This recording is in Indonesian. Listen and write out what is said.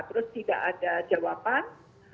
terus tidak ada jawaban